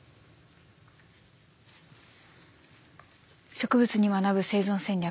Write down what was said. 「植物に学ぶ生存戦略」。